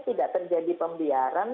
tidak terjadi pembiaran